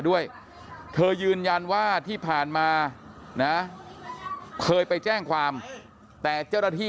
ด้วยเธอยืนยันว่าที่ผ่านมานะเคยไปแจ้งความแต่เจ้าหน้าที่